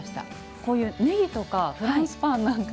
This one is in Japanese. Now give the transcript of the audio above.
こういうねぎとかフランスパンなんか。